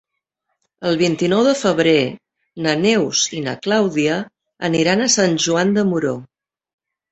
El vint-i-nou de febrer na Neus i na Clàudia aniran a Sant Joan de Moró.